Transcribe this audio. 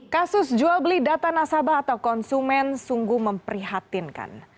kasus jual beli data nasabah atau konsumen sungguh memprihatinkan